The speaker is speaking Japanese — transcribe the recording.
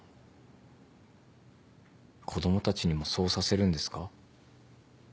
子供たちにもそうさせるんですか？